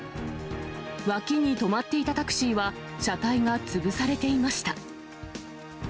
脇に止まっていたタクシーは、車体が潰されていました。